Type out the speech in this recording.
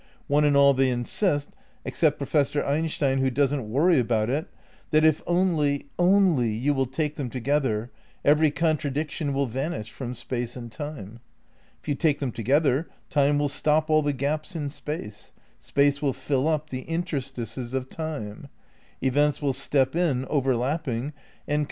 One and all they insist (except Professor Einstein who doesn't worry about it) that if only, only you will take them together every contradiction will vanish from Space and Time. If you take them together Time will stop all the gaps in Space ; Space will fill up the interstices of Time; events will step in, overlapping, and cover " See Appendix II, pp. 315 317.